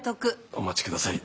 お待ちください。